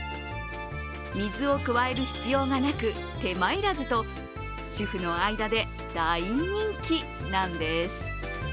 水を加える必要がなく、手間いらずと、主婦の間で大人気なんです。